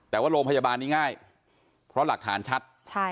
แต่ว่าโรงพยาบาลนี้ง่ายเพราะหลักฐานชัด